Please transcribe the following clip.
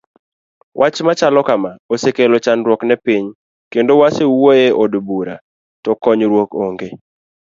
Wch machalo kama osekelo chandruok ne piny kendo wasewuoye od bura to konyruok onge.